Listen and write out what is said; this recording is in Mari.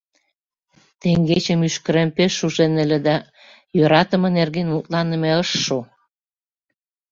Теҥгече мӱшкырем пеш шужен ыле да, йӧратыме нерген мутланыме ыш шу...